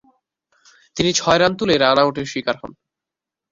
তিনি ছয় রান তুলে রান-আউটের শিকার হন।